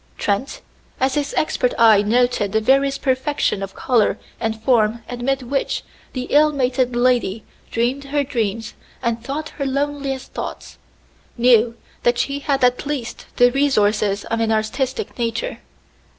Trent, as his expert eye noted the various perfection of color and form amid which the ill mated lady dreamed her dreams and thought her loneliest thoughts, knew that she had at least the resources of an artistic nature.